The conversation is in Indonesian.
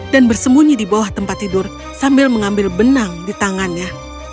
dan bersembunyi di bawah tempat tidur sambil mengambil benang di tangannya